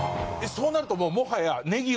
そうなるともうもはや。